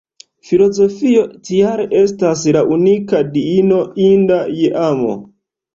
Filozofio tial estas la unika Diino inda je amo.